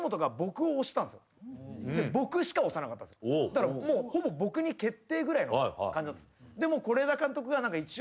だからほぼ僕に決定ぐらいの感じだったんです。